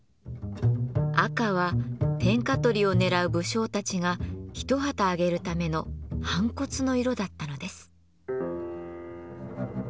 赤は天下取りを狙う武将たちが一旗揚げるための反骨の色だったのです。